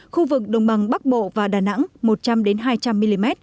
khu vực đồng bằng bắc bộ và đà nẵng một trăm linh hai trăm linh mm